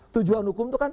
tujuan hukum itu kan